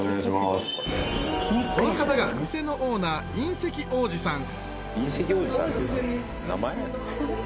この方が店のオーナー隕石王子さん名前？